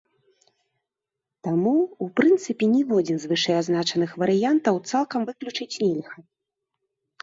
Таму ў прынцыпе ніводзін з вышэй азначаных варыянтаў цалкам выключыць нельга.